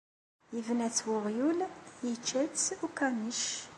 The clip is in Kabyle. Yebna-tt uɣyul, yečča-tt ukanic.